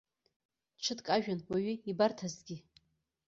Ҽыҭк ажәҩан уаҩы ибарҭазҭгьы!